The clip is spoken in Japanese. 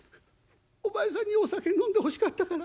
「お前さんにお酒飲んでほしかったから」。